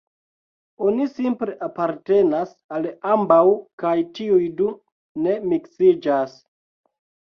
Oni simple apartenas al ambaŭ kaj tiuj du ne miksiĝas.